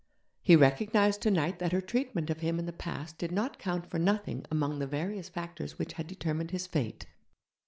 He recognized tonight that her treatment of him in the past did not count for nothing among the various factors which had determined his fate.